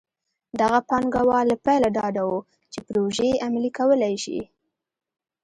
دغه پانګوال له پیله ډاډه وو چې پروژې عملي کولی شي.